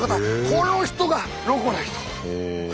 この人がロコな人！